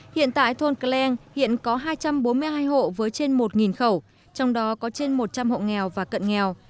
hiện tại thôn cleng hiện có hai trăm bốn mươi hai hộ với trên một khẩu trong đó có trên một trăm linh hộ nghèo và cận nghèo